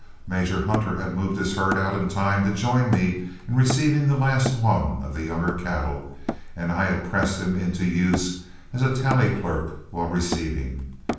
Major Hunter had moved his herds out in time to join me in receiving the last one of the younger cattle, and I had pressed him into use as a tally clerk while receiving.